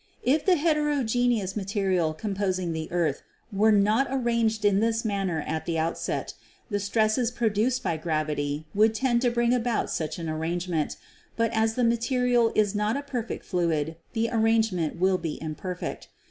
If the heterogeneous material composing the earth were not ar ranged in this manner at the outset, the stresses produced by gravity would tend to bring about such an arrangement, but as the material is not a perfect fluid the arrangement will be imperfect.